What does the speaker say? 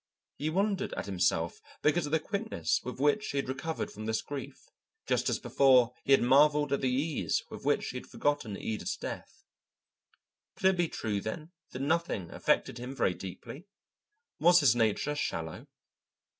He wondered at himself because of the quickness with which he had recovered from this grief, just as before he had marvelled at the ease with which he had forgotten Ida's death. Could it be true, then, that nothing affected him very deeply? Was his nature shallow?